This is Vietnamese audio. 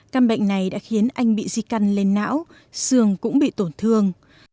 căn bệnh này đã khiến anh bị di căn lên não xương cũng bị tổn thương